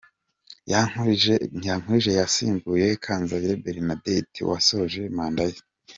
Yankurije yasimbuye Kanzayire Bernadette wasoje manda ye.